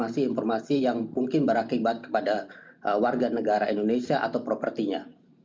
kami juga membuat informasi informasi yang mungkin berakibat kepada warga negara indonesia atau propertinya